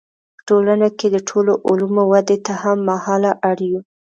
په ټولنه کې د ټولو علومو ودې ته هم مهاله اړ یو.